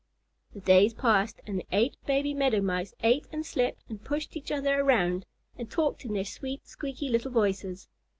The days passed, and the eight baby Meadow Mice ate and slept and pushed each other around, and talked in their sweet, squeaky little voices.